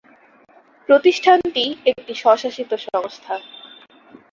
প্রতিষ্ঠানটি একটি স্বশাসিত সংস্থা।